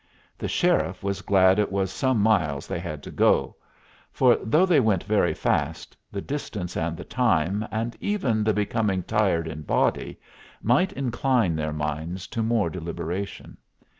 The sheriff was glad it was some miles they had to go; for though they went very fast, the distance and the time, and even the becoming tired in body, might incline their minds to more deliberation.